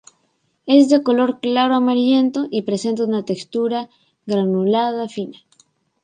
Es de color claro amarillento y presenta una textura granulada fina.